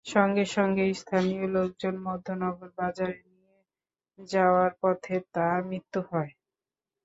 সঙ্গে সঙ্গে স্থানীয় লোকজন মধ্যনগর বাজারে নিয়ে যাওয়ার পথে তাঁর মৃত্যু হয়।